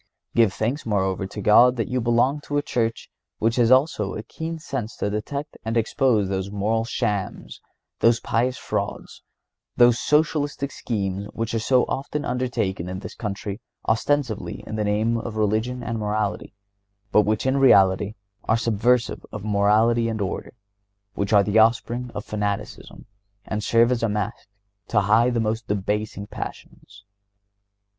(132) Give thanks, moreover, to God that you belong to a Church which has also a keen sense to detect and expose those moral shams, those pious frauds, those socialistic schemes which are so often undertaken in this country ostensibly in the name of religion and morality, but which, in reality, are subversive of morality and order, which are the offspring of fanaticism, and serve as a mask to hide the most debasing passions.